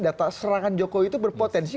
data serangan jokowi itu berpotensi